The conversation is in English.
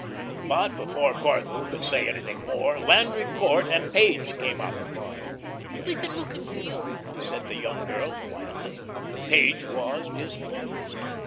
But before Corthell could say anything more Landry Court and Page came up. "We've been looking for you," said the young girl quietly. Page was displeased.